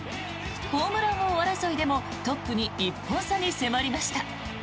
ホームラン王争いでもトップに１本差に迫りました。